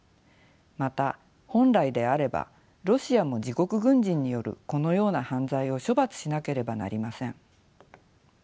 また本来であればロシアも自国軍人によるこのような犯罪を処罰しなければなりません。